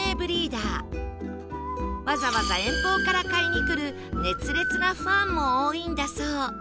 わざわざ遠方から買いに来る熱烈なファンも多いんだそう